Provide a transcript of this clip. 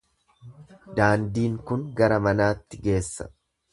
Daandiin kun gara manaatti geessa.